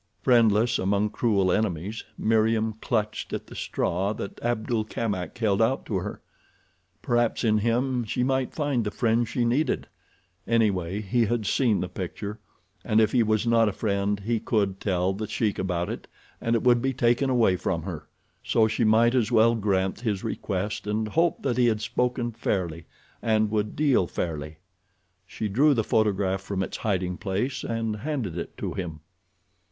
Friendless among cruel enemies, Meriem clutched at the straw that Abdul Kamak held out to her. Perhaps in him she might find the friend she needed. Anyway he had seen the picture and if he was not a friend he could tell The Sheik about it and it would be taken away from her. So she might as well grant his request and hope that he had spoken fairly, and would deal fairly. She drew the photograph from its hiding place and handed it to him.